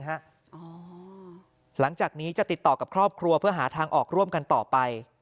หลังจากนี้จะติดต่อกับครอบครัวเพื่อหาทางออกร่วมกันต่อไป